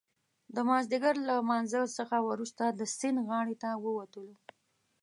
د مازدیګر له لمانځه څخه وروسته د سیند غاړې ته ووتلو.